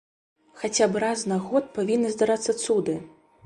Хаця б раз на год павінны здарацца цуды!